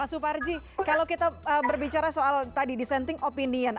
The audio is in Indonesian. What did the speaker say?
pak suparji kalau kita berbicara soal tadi dissenting opinion